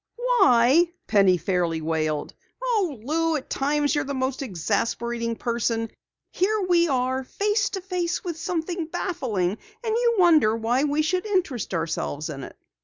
"Why?" Penny fairly wailed. "Oh, Lou, at times you're the most exasperating person. Here we are face to face with something baffling, and you wonder why we should interest ourselves in it!"